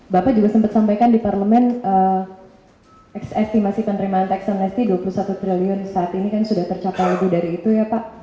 bapak juga sempat sampaikan di parlemen eksestimasi penerimaan tax amnesty dua puluh satu triliun saat ini kan sudah tercapai lebih dari itu ya pak